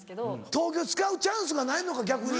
東京で使うチャンスがないのか逆に。